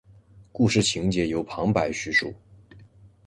故事情节由旁白叙述。